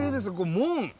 門。